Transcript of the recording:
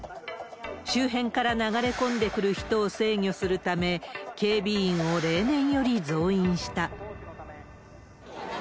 周辺から流れ込んでくる人を制御するため、警備員を例年より増員した。